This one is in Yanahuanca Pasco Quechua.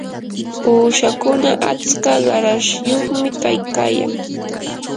uushakuna atska qarashyuqmi kaykayan.